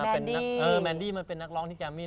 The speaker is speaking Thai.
แมนดี้เออแมนดี้มันเป็นนักร้องที่แกมมี่